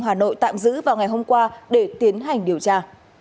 hà nội tạm giữ vào ngày hôm qua để tiến hành điều tra